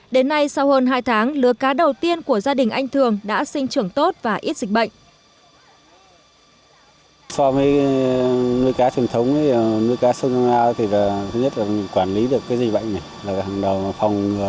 đến nay sau hơn hai tháng lứa cá đầu tiên của gia đình anh thường đã sinh trưởng tốt và ít dịch bệnh